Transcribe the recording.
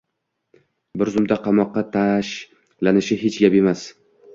bir zumda qamoqqa tashlanishi hech gap emas.